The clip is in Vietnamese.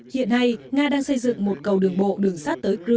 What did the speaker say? hiện nay nga đang xây dựng một cầu đường bộ đường sắt